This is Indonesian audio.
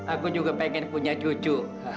aku juga pengen punya cucu